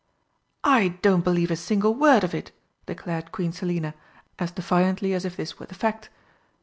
"I don't believe a single word of it!" declared Queen Selina, as defiantly as if this were the fact.